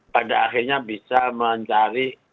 pada akhirnya bisa mencari